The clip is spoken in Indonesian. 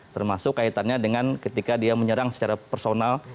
termasuk kaitannya dengan ketika dia menyerang secara personal